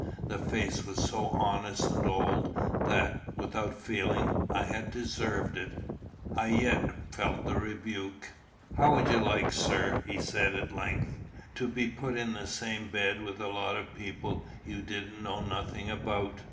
The face was so honest and old, that, without feeling I had deserved it, I yet felt the rebuke. "How would you like, sir," he said, at length, "to be put in the same bed with a lot of people you didn't know nothing about?"